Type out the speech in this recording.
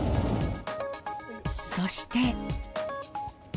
そして。